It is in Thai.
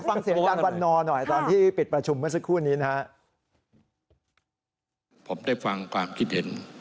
แล้วรู้จังว่าไงดีเตะออกไปก่อน